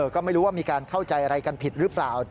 ก็ไม่รู้ว่ามีการเข้าใจอะไรกันผิดหรือเปล่า